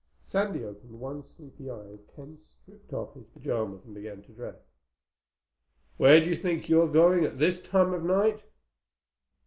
Sandy opened one sleepy eye as Ken stripped off his pajamas and began to dress. "Where do you think you're going at this time of night?"